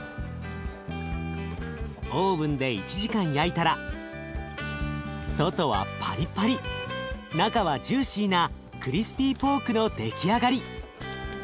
オーブンで１時間焼いたら外はパリパリ中はジューシーなクリスピーポークの出来上がり。